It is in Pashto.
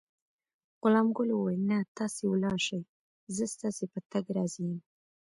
غلام ګل وویل: نه، تاسې ولاړ شئ، زه ستاسي په تګ راضي یم.